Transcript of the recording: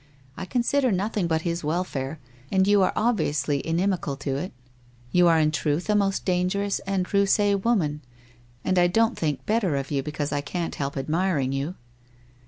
I consider noth ing but his welfare, and you are obviously inimical to it. You are in truth a most dangerous and rusee woman, and I don't think better of you because I can't help admiring you.'